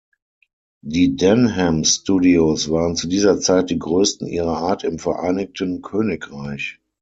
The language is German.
Die Denham Studios waren zu dieser Zeit die größten ihrer Art im Vereinigten Königreich.